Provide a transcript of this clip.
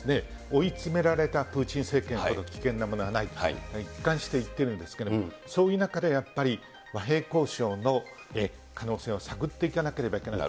追い詰められたプーチン政権ほど危険なものはないと、一貫して言ってるんですけれども、そういう中でやっぱり、和平交渉の可能性を探っていかなければいけない。